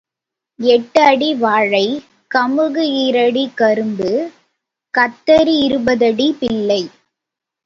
எட்டு அடி வாழை, கமுகு ஈரடி கரும்பு, கத்தரி இருபதடி பிள்ளை